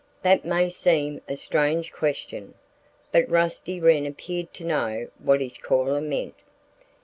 That may seem a strange question. But Rusty Wren appeared to know what his caller meant.